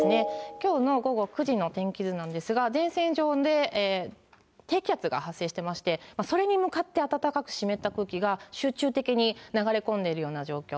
きょうの午後９時の天気図なんですが、前線上で低気圧が発生してまして、それに向かって暖かく湿った空気が集中的に流れ込んでいるような状況。